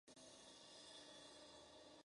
Pueda ganar la elección general.